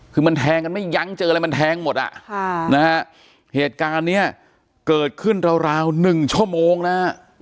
คือมันแทงกันไม่ยั้งเจออะไรมันแทงหมดอ่ะค่ะนะฮะเหตุการณ์เนี้ยเกิดขึ้นราวราวหนึ่งชั่วโมงนะฮะ